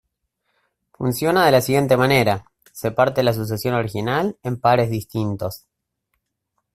Funciona de la siguiente manera: se parte la sucesión original en pares distintos.